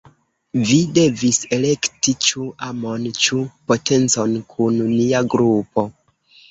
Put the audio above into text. Vi devis elekti ĉu amon, ĉu potencon kun nia grupo.